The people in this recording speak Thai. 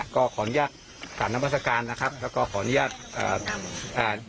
ก็ขออนุญาตผ่านน้ำราชการนะครับแล้วก็ขออนุญาตเอ่ออ่า